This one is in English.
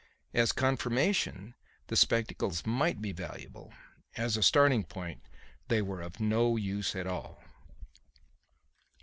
As confirmation the spectacles might be valuable; as a starting point they were of no use at all.